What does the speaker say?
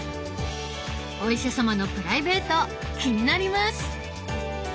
お医者様のプライベート気になります。